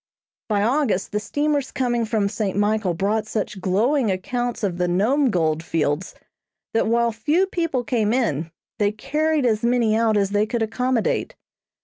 By August the steamers coming from St. Michael brought such glowing accounts of the Nome gold fields, that while few people came in, they carried as many out as they could accommodate.